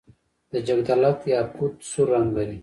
د جګدلک یاقوت سور رنګ لري.